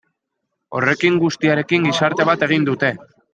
Horrekin guztiarekin gizarte bat egin dute.